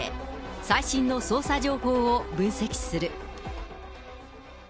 最新の捜査情報を分析する。